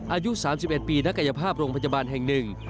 อายุ๓๑ปีนักกายภาพโรงพยาบาลแห่งหนึ่ง